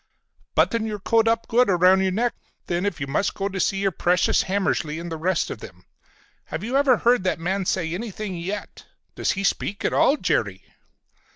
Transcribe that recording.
"Button your coat up good around your neck, then, if you must go to see your precious Hammersly and the rest of them. Have you ever heard that man say anything yet? Does he speak at all, Jerry?"